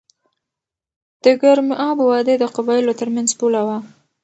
د ګرم آب وادي د قبایلو ترمنځ پوله وه.